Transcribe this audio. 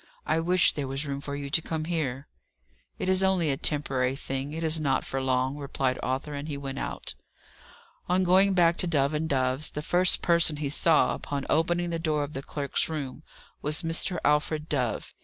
I wish there was room for you to come here!" "It is only a temporary thing; it is not for long," replied Arthur; and he went out. On going back to Dove and Dove's, the first person he saw, upon opening the door of the clerks' room, was Mr. Alfred Dove.